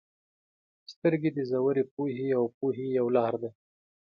• سترګې د ژورې پوهې او پوهې یو لار ده.